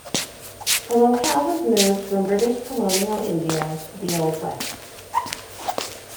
The locale was moved from British-colonial India to the old West.